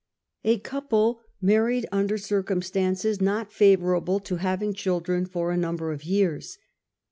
A couple married under circumstances not favorable to having children for a number of years.